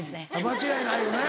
間違いないよね。